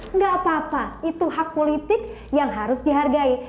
nggak apa apa itu hak politik yang harus dihargai